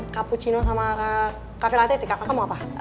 cappuccino sama cafe latte sih kak kakak mau apa